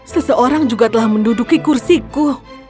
seseorang juga telah menduduki kursiku